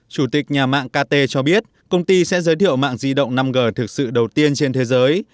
chủ tịch nhà mạng kt cho biết công ty sẽ giới thiệu mạng di động năm g thực sự đầu tiên trên thế giới